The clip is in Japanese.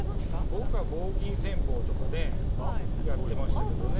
僕は棒銀戦法でやっていましたけどね。